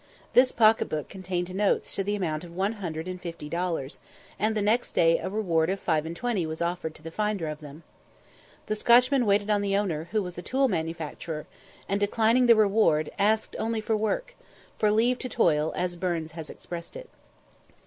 This pocket book contained notes to the amount of one hundred and fifty dollars; and the next day a reward of five and twenty was offered to the finder of them. The Scotchman waited on the owner, who was a tool manufacturer, and, declining the reward, asked only for work, for "leave to toil," as Burns has expressed it.